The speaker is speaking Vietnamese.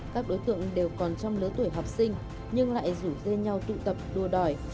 các đối tượng đều còn trong lứa tuổi học sinh nhưng lại rủ dê nhau tụ tập đua đòi